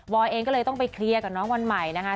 เองก็เลยต้องไปเคลียร์กับน้องวันใหม่นะคะ